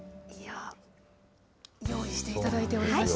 用意していただいておりまして。